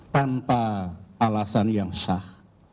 tanpa alasan yang sah